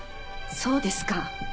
そうですか。